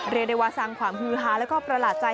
เรดวสังความฮือฮาและก็ประหลาดใจ